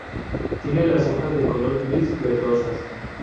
Tiene las hojas de color gris-verdosas.